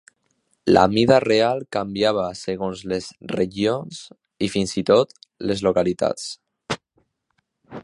La mida real canviava segons les regions i, fins i tot, les localitats.